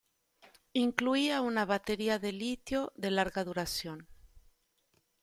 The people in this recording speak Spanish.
Incluía una batería de litio de larga duración.